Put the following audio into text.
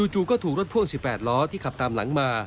จู่ก็ถูกรถพ่วง๑๘ล้อที่ขับตามหลังมา